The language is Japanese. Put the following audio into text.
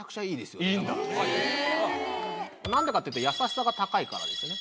何でかっていうと優しさが高いからですね